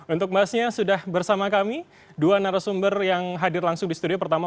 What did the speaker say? untuk bahasnya sudah bersama kami dua narasumber yang hadir langsung di studio pertama